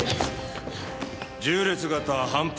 縦列型反復